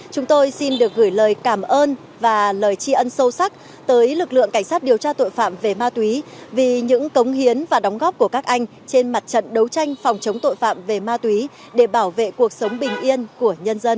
chúng tôi xin được gửi lời cảm ơn và lời tri ân sâu sắc tới lực lượng cảnh sát điều tra tội phạm về ma túy vì những cống hiến và đóng góp của các anh trên mặt trận đấu tranh phòng chống tội phạm về ma túy để bảo vệ cuộc sống bình yên của nhân dân